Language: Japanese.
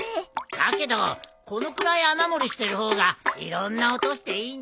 だけどこのくらい雨漏りしてる方がいろんな音していいんだ。